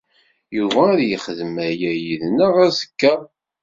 Yuba ad yexdem aya yid-neɣ azekka.